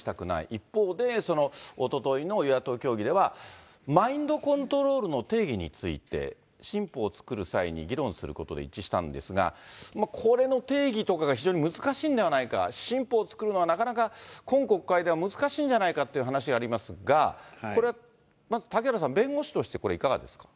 一方で、おとといの与野党協議では、マインドコントロールの定義について、新法を作る際に議論することで一致したんですが、これの定義とかが非常に難しいんではないか、新法を作るのはなかなか今国会では難しいんじゃないかという話がありますが、これはまず嵩原さん、弁護士としてこれ、いかがですか。